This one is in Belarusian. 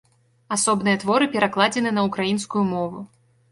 Асобныя творы перакладзены на ўкраінскую мову.